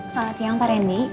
selamat siang pak reni